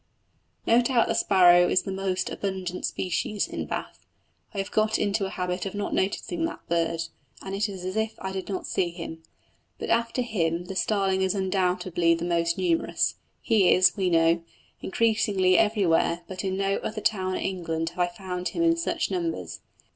No doubt the sparrow is the most abundant species in Bath I have got into a habit of not noticing that bird, and it is as if I did not see him; but after him the starling is undoubtedly the most numerous. He is, we know, increasing everywhere, but in no other town in England have I found him in such numbers.